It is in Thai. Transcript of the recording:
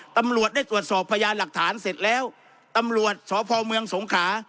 ตำรวจได้ตรวจสอบพยานหลักฐานเสร็จแล้วตำรวจสพเมืองสงขา